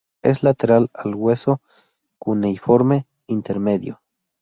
Es lateral al hueso cuneiforme intermedio.